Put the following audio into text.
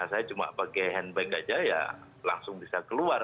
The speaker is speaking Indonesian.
saya cuma pakai handbag aja ya langsung bisa keluar